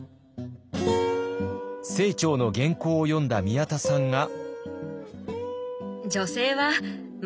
清張の原稿を読んだ宮田さんが。